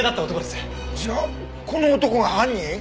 じゃあこの男が犯人？